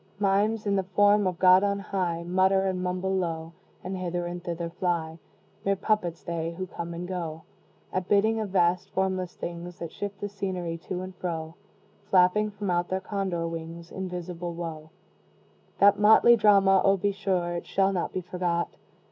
Mimes, in the form of God on high, Mutter and mumble low, And hither and thither fly; Mere puppets they, who come and go At bidding of vast formless things That shift the scenery to and fro, Flapping from out their condor wings Invisible Wo! That motley drama! oh, be sure It shall not be forgot!